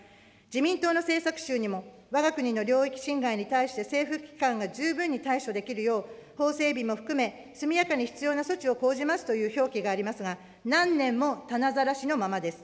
自民党の政策集にも、わが国の領域侵害に対して政府機関が十分に対処できるよう、法整備も含め、速やかに必要な措置を講じますという標記がありますが、何年もたなざらしのままです。